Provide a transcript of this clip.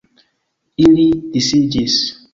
Ili disiĝis.